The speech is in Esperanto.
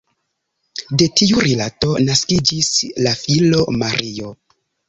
De tiu rilato naskiĝis la filo Mario.